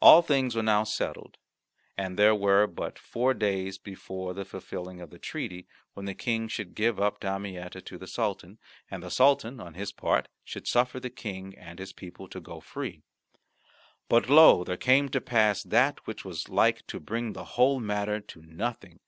All things were now settled, and there were but four days before the fulfilling of the treaty, when the King should give up Damietta to the Sultan, and the Sultan, on his part, should suffer the King and his people to go free. But lo! there came to pass that which was like to bring the whole matter to nothing.